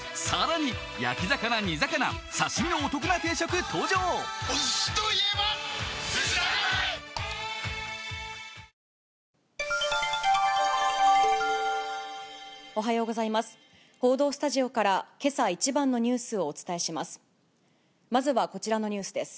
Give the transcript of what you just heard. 報道スタジオからけさ一番のニュースをお伝えします。